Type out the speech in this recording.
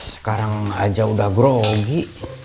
sekarang aja udah grogi